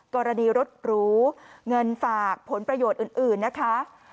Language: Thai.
กรณีรถหรูเงินฝากผลประโยชน์อื่นนะคะ